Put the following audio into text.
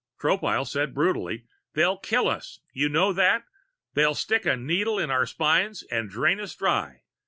Tropile said brutally: "They'll kill us! You know that? They'll stick a needle in our spines and drain us dry.